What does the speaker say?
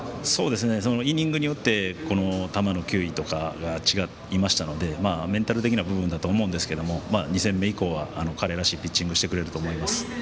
イニングによって球の球威とかが違いましたのでメンタル的な部分だと思うんですけど２戦目以降は彼らしいピッチングをしてくれると思います。